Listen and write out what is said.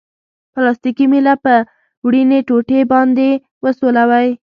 پلاستیکي میله په وړیني ټوټې باندې وسولوئ.